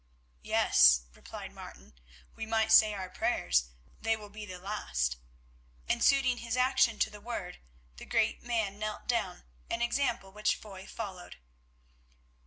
"Yes," replied Martin, "we might say our prayers; they will be the last," and suiting his action to the word, the great man knelt down, an example which Foy followed.